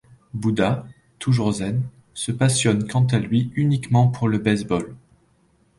Bouddha, toujours zen, se passionne, quant à lui, uniquement pour le baseball.